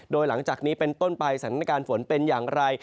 โดยหลังจากนี้เป็นต้นไปสถานการณ์ฝนเป็นอย่างไร